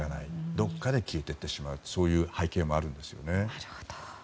どこかで消えて行ってしまうそういう背景もあるんですよね。